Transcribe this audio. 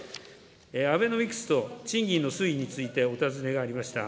アベノミクスと賃金の推移についてお尋ねがありました。